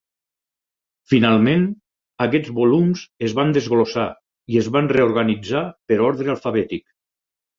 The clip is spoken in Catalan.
Finalment, aquests volums es van desglossar i es van reorganitzar per ordre alfabètic.